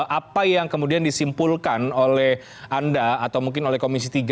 apa yang kemudian disimpulkan oleh anda atau mungkin oleh komisi tiga